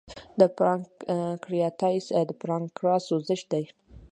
د پانکریاتایټس د پانکریاس سوزش دی.